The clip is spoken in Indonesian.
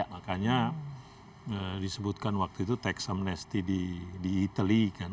makanya disebutkan waktu itu texamnesti di italy kan